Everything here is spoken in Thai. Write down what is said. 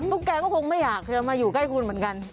แกก็คงไม่อยากจะมาอยู่ใกล้คุณเหมือนกัน